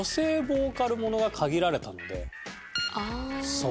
そう。